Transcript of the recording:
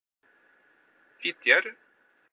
Fitjar